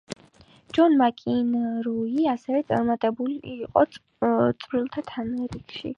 ჯონ მაკინროი ასევე წარმატებული იყო წყვილთა თანრიგში.